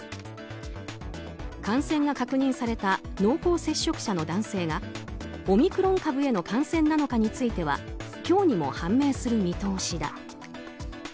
感染が確認された濃厚接触者の男性がオミクロン株への感染なのかについては今日にも判明する見通しだ。